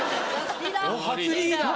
リーダー。